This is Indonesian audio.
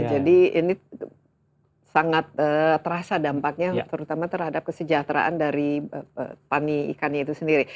jadi ini sangat terasa dampaknya terutama terhadap kesejahteraan dari pani ikannya itu sendiri